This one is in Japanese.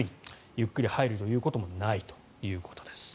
ゆっくり入るということもないということです。